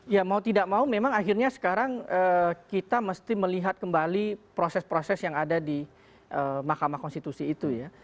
ya mau tidak mau memang akhirnya sekarang kita mesti melihat kembali proses proses yang ada di mahkamah konstitusi itu ya